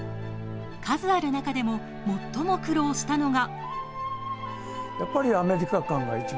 数ある中でも最も苦労したのが。